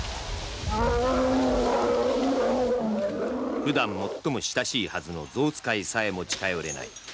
普段、最も親しいはずの象使いさえも近寄れない。